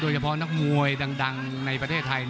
เฉพาะนักมวยดังในประเทศไทย